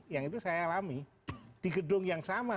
yang itu saya alami di gedung yang sama